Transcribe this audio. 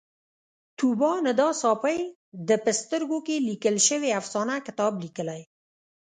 طوبا ندا ساپۍ د په سترګو کې لیکل شوې افسانه کتاب لیکلی